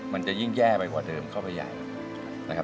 มันจะยิ่งแย่ไปกว่าเดิมเข้าไปใหญ่นะครับ